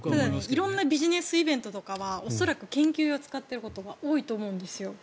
色んなビジネスイベントとかは恐らく研究用を使っていることが多いと思うんですよ。